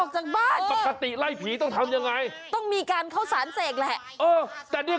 มึงมายืนรองไห้อะไรเนี่ย